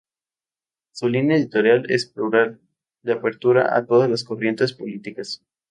Su línea editorial es plural, de apertura a todas las corrientes políticas.